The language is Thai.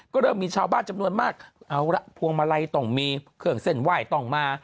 ก็เริ่มมีชาวบ้านจำนวนมากเอาละพวงมาลัยต้องมีเครื่องเส้นไหว้ต้องมา